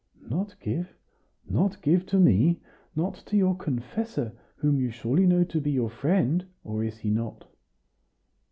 "Not give! not give to me? not to your confessor, whom you surely know to be your friend or is he not?"